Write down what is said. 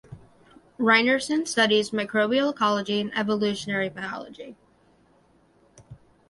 Rynearson studies microbial ecology and evolutionary biology.